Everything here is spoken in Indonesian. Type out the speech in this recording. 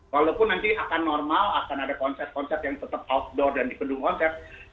walaupun nanti akan normal akan ada konser konser yang tetap outdoor dan dipendung konser